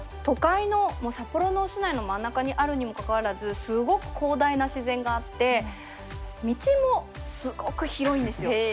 都会の札幌の市内の真ん中にあるにもかかわらずすごく広大な自然があって道もすごく広いんですよ。